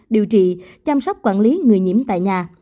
điều trị chăm sóc quản lý người nhiễm tại nhà